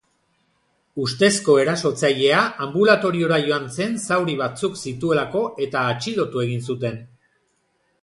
Ustezko erasotzailea anbulatoriora joan zen zauri batzuk zituelako eta atxilotu egin zuten.